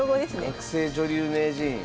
学生女流名人。